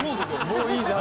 もういいゼ！